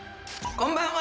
こんばんは！